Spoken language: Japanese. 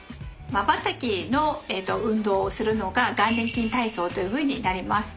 まばたきの運動をするのが眼輪筋体操というふうになります。